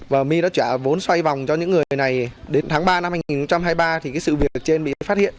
và my đã trả vốn xoay vòng cho những người này đến tháng ba năm một nghìn chín trăm hai mươi ba thì cái sự việc ở trên bị phát hiện